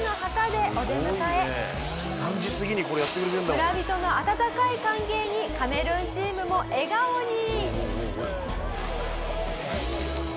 村人の温かい歓迎にカメルーンチームも笑顔に。